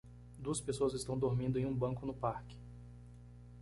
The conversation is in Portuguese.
Duas pessoas estão dormindo em um banco do parque